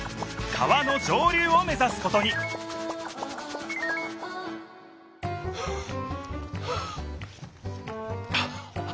川の上流を目ざすことにはあはあはあ。